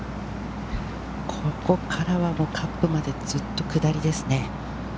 ここからはカップまでずっと下りですね。